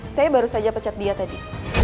saya baru saja pecat dia tadi